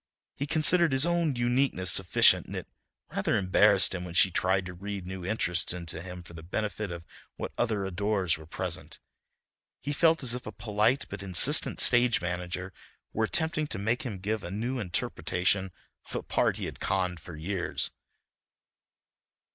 He considered his own uniqueness sufficient, and it rather embarrassed him when she tried to read new interests into him for the benefit of what other adorers were present. He felt as if a polite but insistent stage manager were attempting to make him give a new interpretation of a part he had conned for years.